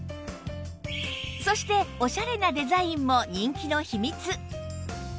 そしておしゃれなデザインも人気の秘密